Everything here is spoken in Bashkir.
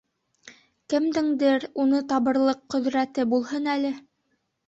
Кемдеңдер уны табырлыҡ ҡөҙрәте булһа әле!